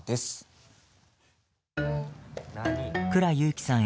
倉悠貴さん